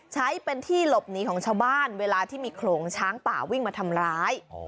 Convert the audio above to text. ใช้เป็นที่หลบหนีของชาวบ้านเวลาที่มีโขลงช้างป่าวิ่งมาทำร้าย